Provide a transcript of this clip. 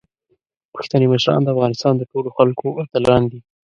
پښتني مشران د افغانستان د ټولو خلکو اتلان دي.